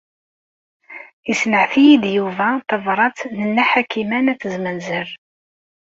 Yessenɛet-iyi-d Yuba tabṛat n Nna Ḥakima n At Zmenzer.